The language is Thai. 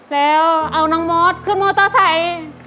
แล้วเอาน้องมอสขึ้นมอเตอร์ไซค์